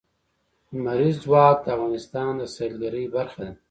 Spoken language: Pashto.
لمریز ځواک د افغانستان د سیلګرۍ برخه ده.